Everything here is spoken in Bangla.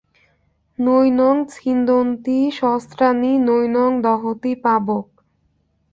নৈনং ছিন্দন্তি শস্ত্রাণি নৈনং দহতি পাবকঃ।